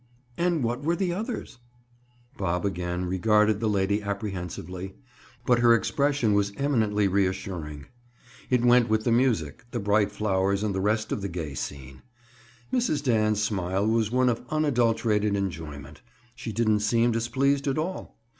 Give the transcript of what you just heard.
And what were the others?" Bob again regarded the lady apprehensively, but her expression was eminently reassuring. It went with the music, the bright flowers and the rest of the gay scene. Mrs. Dan's smile was one of unadulterated enjoyment; she didn't seem displeased at all.